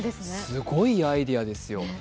すごいアイデアですよ！